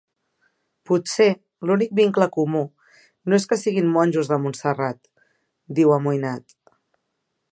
Potser l'únic vincle comú no és que siguin monjos de Montserrat — diu, amoïnat.